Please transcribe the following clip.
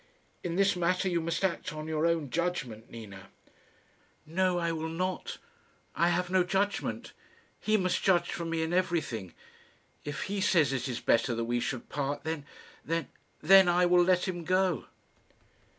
"In this matter you must act on your own judgment, Nina." "No, I will not. I have no judgment. He must judge for me in everything. If he says it is better that we should part, then then then I will let him go."